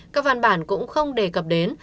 các văn bản cũng không đề cập đến